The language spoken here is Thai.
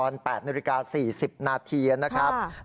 แล้วก็มีการ